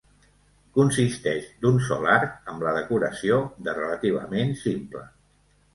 Consisteix d'un sol arc amb la decoració de relativament simple.